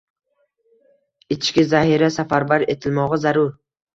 – ichki zahira safarbar etilmog‘i zarur.